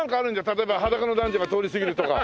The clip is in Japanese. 例えば裸の男女が通り過ぎるとか。